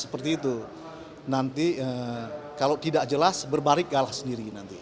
seperti itu nanti kalau tidak jelas berbalik galah sendiri nanti